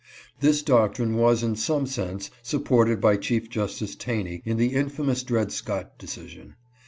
This doctrine was in some sense supported by Chief Justice Taney in the infamous Dred Scott de cision.